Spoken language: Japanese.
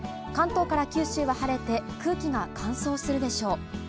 関東から九州は晴れて空気が乾燥するでしょう。